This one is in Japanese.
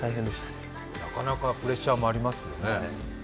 なかなかプレッシャーもありますよね。